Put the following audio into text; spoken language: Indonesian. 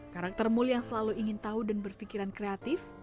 karakter mul yang selalu ingin tahu dan berpikiran kreatif